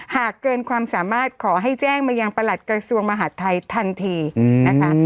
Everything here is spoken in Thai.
หากเกินความสามารถขอให้แจ้งมายังประหลัดกระทรวงมหาดไทยทันทีนะคะ